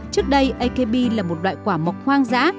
trước đây akb là một loại quả mọc hoang dã